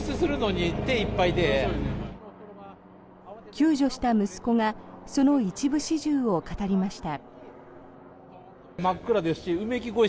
救助した息子がその一部始終を語りました。